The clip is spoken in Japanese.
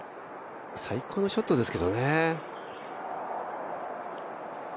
最高のショットですけどね。